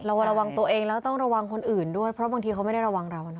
ระวังตัวเองแล้วต้องระวังคนอื่นด้วยเพราะบางทีเขาไม่ได้ระวังเรานะ